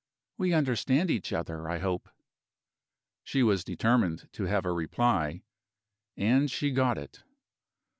We understand each other, I hope?" She was determined to have a reply and she got it.